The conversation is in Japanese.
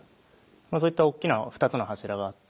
そういった大っきな２つの柱があって。